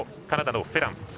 カナダのフェラン。